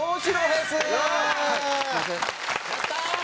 やったー！